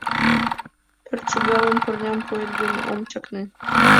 — Пӧрт шыгалаш пырням пуэт гын, ом чакне.